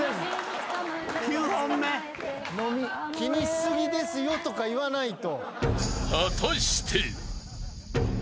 「気にしすぎですよ」とか言わないと。